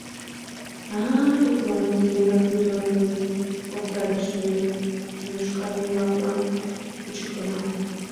— А-а, — йӱклана Темиров, — Мироновын отрядшым мый йошкарге-влаклан кучыктенам...